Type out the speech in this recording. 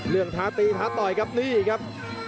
เรื่องท้าตีท้าต่อยครับนี่ครับ